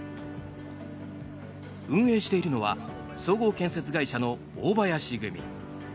運営しているのは総合建設会社の大林組。